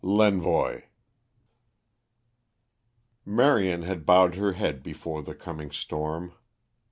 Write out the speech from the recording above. L'ENVOI Marion had bowed her head before the coming storm.